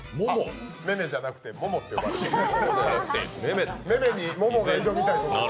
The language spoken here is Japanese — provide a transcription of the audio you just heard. めめじゃなくて、ももと呼ばれてるんで。